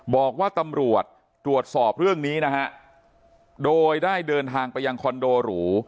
บอกว่าตำรวจตรวจสอบเรื่องนี้นะฮะโดยได้เดินทางไปยังคอนโดหรู